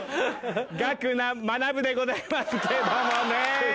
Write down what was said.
学学でございますけどもね。